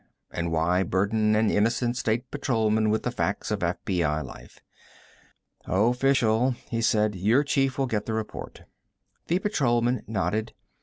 And why burden an innocent State Patrolman with the facts of FBI life? "Official," he said. "Your chief will get the report." The patrolman nodded.